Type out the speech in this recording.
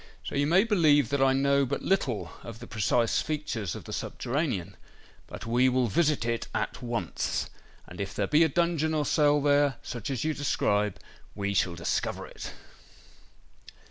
So you may believe that I know but little of the precise features of the subterranean. But we will visit it at once; and if there be a dungeon or cell there, such as you describe, we shall discover it."